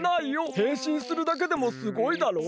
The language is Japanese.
へんしんするだけでもすごいだろ？